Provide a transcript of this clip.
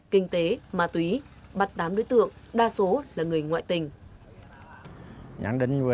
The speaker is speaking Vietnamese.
kinh tế ma túy bắt tám đối tượng đa số là người ngoại tình